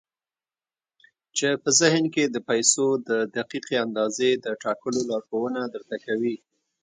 چې په ذهن کې د پيسو د دقيقې اندازې د ټاکلو لارښوونه درته کوي.